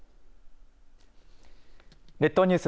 列島ニュース